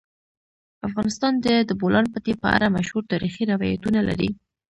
افغانستان د د بولان پټي په اړه مشهور تاریخی روایتونه لري.